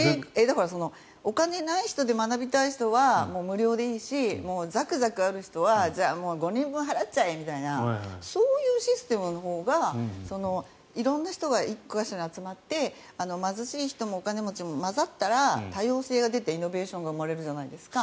お金がない人で学びたい人は無料でいいしザクザクある人はじゃあ５人分払っちゃえとかそういうシステムのほうが色んな人が１か所に集まって貧しい人もお金持ちも交ざったら多様性が出てイノベーションが生まれるじゃないですか。